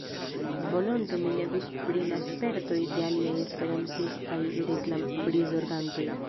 Volonte mi legus pri la spertoj de aliaj esperantistaj reklam-prizorgantoj.